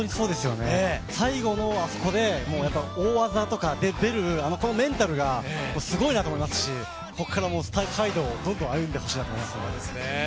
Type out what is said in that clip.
最後のあそこで大技が出るメンタルがすごいなと思いますし、ここからスター街道をどんどん歩んでほしいと思います。